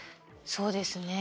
そうですね。